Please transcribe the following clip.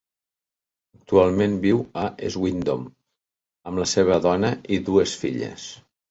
Actualment viu a Swindon amb la seva dona i dues filles.